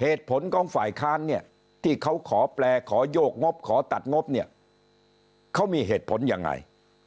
เหตุผลของฝ่ายค้านเนี่ยที่เขาขอแปลขอโยกงบขอตัดงบเนี่ยเขามีเหตุผลยังไง